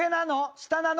下なの？